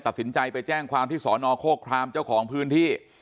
ตัดสินใจไปแจ้งความที่สอนอโฆครามเจ้าของพื้นที่